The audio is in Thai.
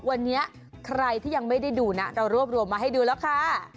วันนี้ใครที่ยังไม่ได้ดูนะเรารวบรวมมาให้ดูแล้วค่ะ